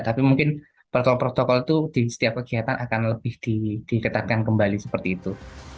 tapi mungkin protokol protokol itu di setiap kegiatan akan lebih diketatkan kembali seperti itu